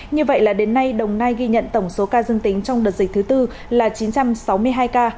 như vậy là đến nay đồng nai ghi nhận tổng số ca dương tính trong đợt dịch thứ tư là chín trăm sáu mươi hai ca